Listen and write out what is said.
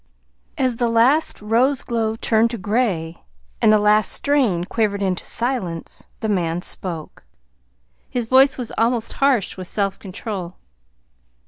As the last rose glow turned to gray and the last strain quivered into silence, the man spoke. His voice was almost harsh with self control.